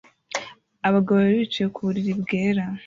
Abagabo babiri bicaye ku buriri bwera